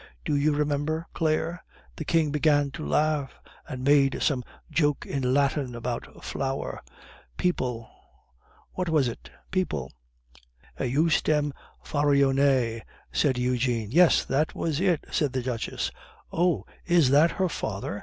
Do you remember, Claire? The King began to laugh, and made some joke in Latin about flour. People what was it? people " "Ejusdem farinoe," said Eugene. "Yes, that was it," said the Duchess. "Oh! is that her father?"